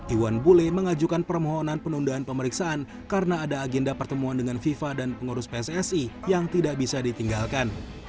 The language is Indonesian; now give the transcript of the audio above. iwan bule mengajukan permohonan penundaan pemeriksaan karena ada agenda pertemuan dengan fifa dan pengurus pssi yang tidak bisa ditinggalkan